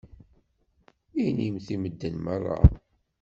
Inimt i medden meṛṛa.